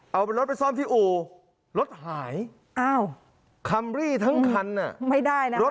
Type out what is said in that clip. เอารถไปซ่อมที่อู่รถหายอ้าวคัมรี่ทั้งคันอ่ะไม่ได้นะรถ